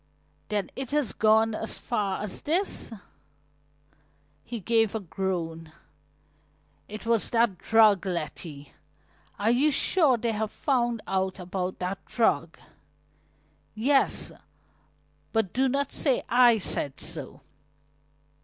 "Then it has gone as far as this?" He gave a groan. "It was that drug Letty, are you sure they have found out about that drug?" "Yes, but do not say I said so."